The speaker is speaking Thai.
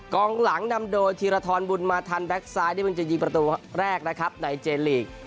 กองหลังนำโดยธีรทรบุญมาทันแก๊กซ้ายที่เพิ่งจะยิงประตูแรกนะครับในเจลีก